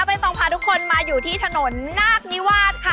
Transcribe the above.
ต้องพาทุกคนมาอยู่ที่ถนนนาคนิวาสค่ะ